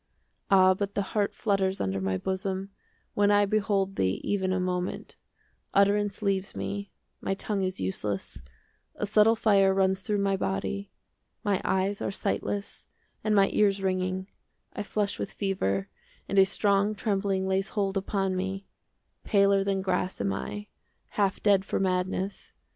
5 Ah, but the heart flutters Under my bosom, When I behold thee Even a moment; Utterance leaves me; 10 My tongue is useless; A subtle fire Runs through my body; My eyes are sightless, And my ears ringing; 15 I flush with fever, And a strong trembling Lays hold upon me; Paler than grass am I, Half dead for madness.